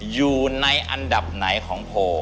อยู่ในอันดับไหนของโพล